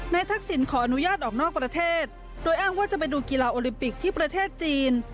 ทักษิณขออนุญาตออกนอกประเทศโดยอ้างว่าจะไปดูกีฬาโอลิมปิกที่ประเทศจีน